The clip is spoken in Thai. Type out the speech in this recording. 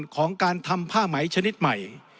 ของการทำผ้าไหมชนิดใหม่